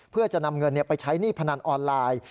เพื่อจะนำเงินไปใช้หนี้พนันออนไลน์